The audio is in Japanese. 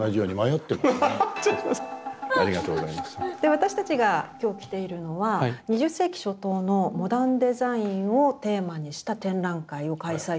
私たちが今日来ているのは２０世紀初頭のモダンデザインをテーマにした展覧会を開催中の旧朝香宮邸。